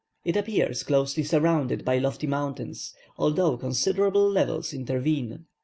It appears closely surrounded by lofty mountains, although considerable levels intervene.